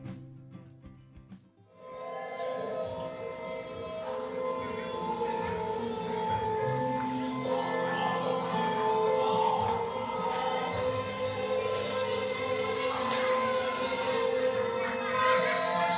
pasar ini merupakan tempat untuk menghasilkan keuntungan untuk masyarakat